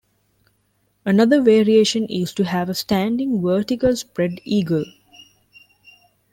Another variation is to have a standing, vertical spread eagle.